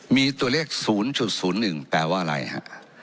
มีตัวเลข๐๐๑แปลว่าอะไรฮะ